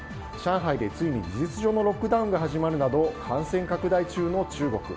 上海でついに事実上のロックダウンが始まるなど感染拡大中の中国。